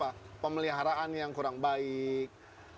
yang pasif itu adalah pemeliharaan yang kurang baik